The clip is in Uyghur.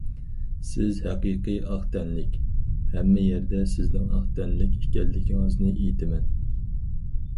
سىز ھەقىقىي ئاق تەنلىك، ھەممە يەردە سىزنىڭ ئاق تەنلىك ئىكەنلىكىڭىزنى ئېيتىمەن.